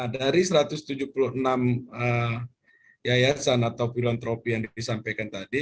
dari satu ratus tujuh puluh enam yayasan atau filantropi yang disampaikan tadi